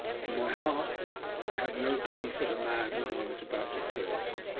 In my heart I had no pity for the man whom I was about to kill.